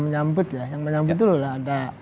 menyambut ya yang menyambut dulu lah ada